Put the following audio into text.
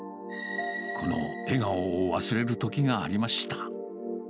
この笑顔を忘れるときがありました。